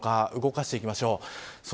動かしていきましょう。